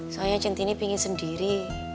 soalnya cinti ini pingin sendiri